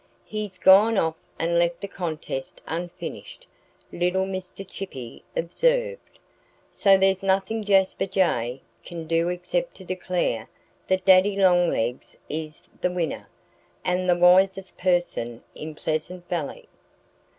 "He's gone off and left the contest unfinished," little Mr. Chippy observed. "So there's nothing Jasper Jay can do except to declare that Daddy Longlegs is the winner and the wisest person in Pleasant Valley."